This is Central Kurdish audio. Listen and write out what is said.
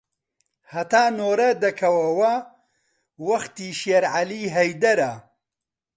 هەتا نۆرە دەکەوەوە وەختی شێرعەلی هەیدەرە